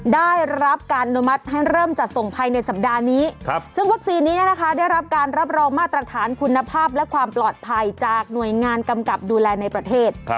ได้รับการอนุมัติให้เริ่มจัดส่งภายในสัปดาห์นี้ซึ่งวัคซีนนี้ได้รับการรับรองมาตรฐานคุณภาพและความปลอดภัยจากหน่วยงานกำกับดูแลในประเทศ